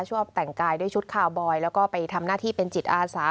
ชอบแต่งกายด้วยชุดคาวบอยแล้วก็ไปทำหน้าที่เป็นจิตอาสา